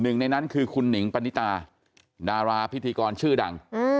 ๑ในนั้นคือคุณหงษ์ปฐิตานาราพิธีกรชื้อดัง